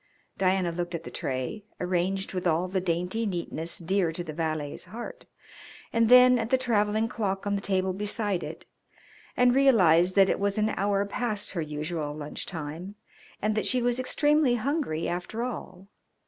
Diana looked at the tray, arranged with all the dainty neatness dear to the valet's heart, and then at the travelling clock on the table beside it, and realised that it was an hour past her usual lunch time and that she was extremely hungry, after all.